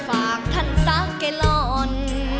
ฝากท่านสาวไก่ร้อน